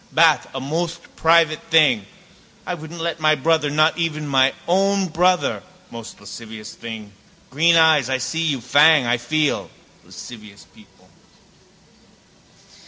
Bath a most private thing. I wouldn't let my brother, not even my own brother, most lascivious thing. Green eyes, I see you. Fang, I feel. Lascivious people.